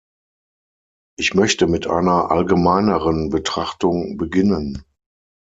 Ich möchte mit einer allgemeineren Betrachtung beginnen.